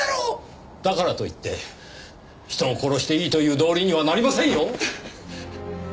だからといって人を殺していいという道理にはなりませんよ！